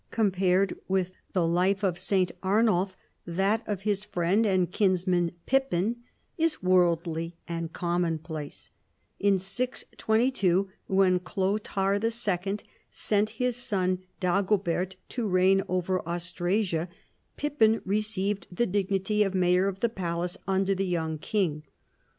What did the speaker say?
Compared with the life of St. Arnulf, that of his friend and kinsman Pippin is worldly and common place. In 622, when Chlothair II. sent his son Dago bert to reign over Austrasia, Pippin received the dignity of mayor of the palace under the young king.